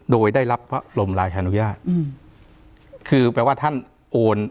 โดยได้รับลมรายธนุญาตคือแปลว่าท่านโอน